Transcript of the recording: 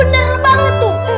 bener banget tuh